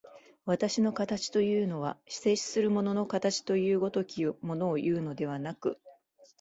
私の形というのは、静止する物の形という如きものをいうのでなく、